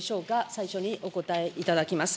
最初にお答えいただきます。